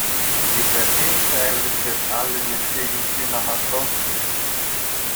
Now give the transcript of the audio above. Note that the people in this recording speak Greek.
ειδεμή θα έβρισκες άλλην εξήγηση να μας δώσεις.